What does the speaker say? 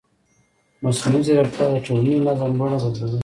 مصنوعي ځیرکتیا د ټولنیز نظم بڼه بدلوي.